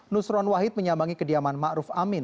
nusron wahid menyambangi kediaman ma'ruf amin